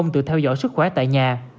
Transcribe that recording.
tự theo dõi sức khỏe tại nhà